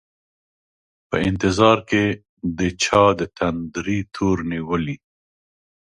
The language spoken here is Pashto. په انتظار کي د چا دتندري تور نیولي